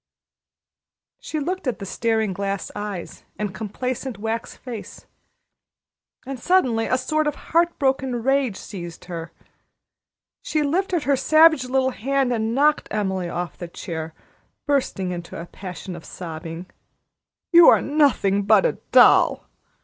She looked at the staring glass eyes and complacent wax face, and suddenly a sort of heartbroken rage seized her. She lifted her little savage hand and knocked Emily off the chair, bursting into a passion of sobbing. "You are nothing but a doll!"